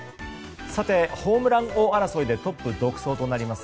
さて、ホームラン王争いでトップ独走となります